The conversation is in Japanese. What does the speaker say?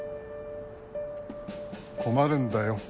困るんだよ。